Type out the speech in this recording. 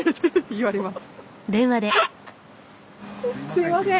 すいません。